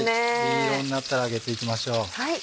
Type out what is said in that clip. いい色になったら上げていきましょう。